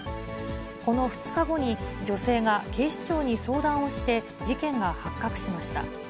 この２日後に、女性が警視庁に相談をして、事件が発覚しました。